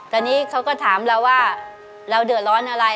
ตอนนี้เขาก็ถามเราว่าเราเดือดร้อนอะไร